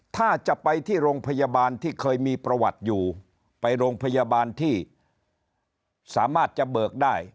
ถ้าจะไปที่โรงพยาบาลที่เคยมีประวัติอยู่ไปโรงพยาบาลที่สามารถจะเบิกได้